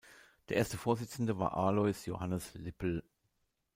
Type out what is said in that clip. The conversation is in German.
Der erste Vorsitzende war Alois Johannes Lippl.